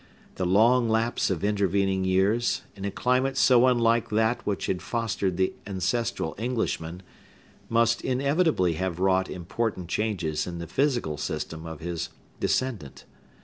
The long lapse of intervening years, in a climate so unlike that which had fostered the ancestral Englishman, must inevitably have wrought important changes in the physical system of his descendant.